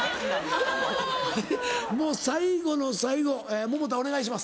もう最後の最後百田お願いします。